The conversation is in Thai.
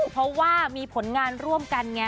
เพราะว่ามีผลงานร่วมกันไง